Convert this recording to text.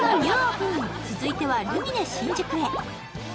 続いてはルミネ新宿へ。